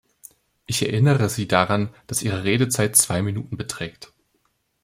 Ich erinnere Sie daran, dass Ihre Redezeit zwei Minuten beträgt.